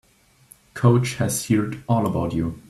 Coach has heard all about you.